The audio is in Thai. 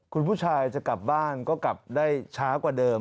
คุณผู้ชายจะกลับบ้านก็กลับได้ช้ากว่าเดิม